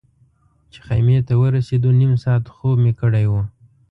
چې خیمې ته ورسېدو نیم ساعت خوب مې کړی و.